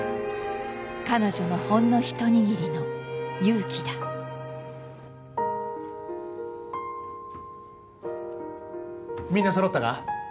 彼女のほんの一握りの勇気だみんな揃ったか？